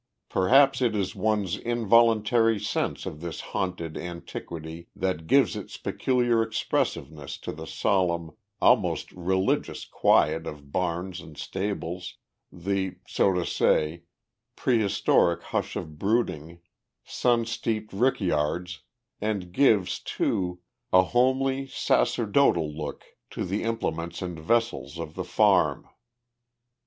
Perhaps it is one's involuntary sense of this haunted antiquity that gives its peculiar expressiveness to the solemn, almost religious quiet of barns and stables, the, so to say, prehistoric hush of brooding, sun steeped rickyards; and gives, too, a homely, sacerdotal look to the implements and vessels of the farm.